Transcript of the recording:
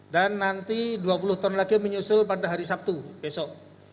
dan nanti dua puluh ton lagi menyusul pada hari sabtu besok